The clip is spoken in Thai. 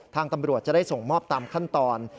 ทางตำรวจจะได้ส่งมอบตามขั้นตอน